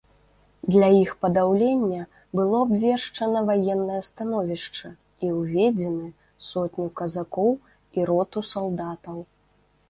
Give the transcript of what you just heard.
Для іх падаўлення было абвешчана ваеннае становішча і ўведзены сотню казакоў і роту салдатаў.